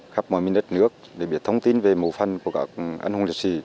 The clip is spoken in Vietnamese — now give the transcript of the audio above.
khắp mọi miền đất nước để biết thông tin về mộ phần của các anh hùng liệt sĩ